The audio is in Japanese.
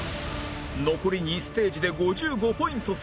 残り２ステージで５５ポイント差